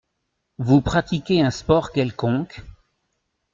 Vous pratiquez un sport quelconque ?